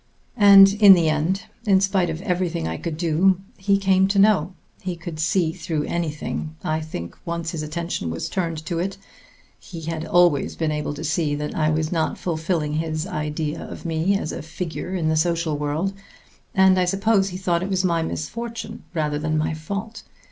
"And in the end, in spite of everything I could do, he came to know.... He could see through anything, I think, once his attention was turned to it. He had always been able to see that I was not fulfilling his idea of me as a figure in the social world, and I suppose he thought it was my misfortune rather than my fault.